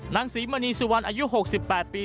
นางศรีมณีสุวรรณอายุ๖๘ปี